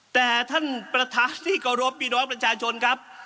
แต่ท่านประธานที่เคารพพี่น้องประชาชนครับ